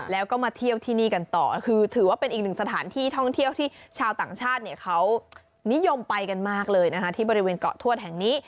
แล้วก็มาเที่ยวที่นี่กันต่อคือถือว่าเป็นอีกหนึ่งสถานที่ท่องเที่ยวที่ชาวต่างชาติเขานิยมไปกันมากเลยนะคะที่บริเวณเกาะทวดแห่งนี้